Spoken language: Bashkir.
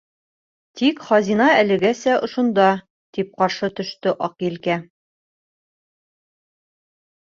— Тик хазина әлегәсә ошонда! — тип ҡаршы төштө Аҡ Елкә.